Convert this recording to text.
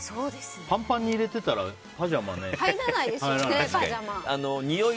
パンパンに入れてたらパジャマ入らないよね。